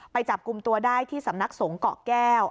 จับกลุ่มตัวได้ที่สำนักสงเกาะแก้ว